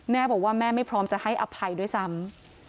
แม่บอกว่าแม่ไม่พร้อมจะให้อภัยด้วยซ้ำ